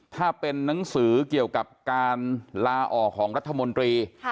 ถ้าเป็นนังสือเกี่ยวกับการลาออกของรัฐมนตรี